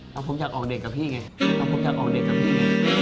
แล้วก็พบจะออกเดทกับพี่ไง